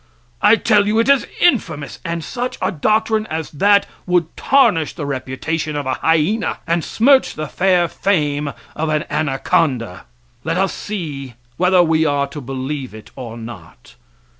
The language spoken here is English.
I tell you it is infamous! and such a doctrine as that would tarnish the reputation of a hyena and smirch the fair fame of an anaconda. Let us see whether we are to believe it or not.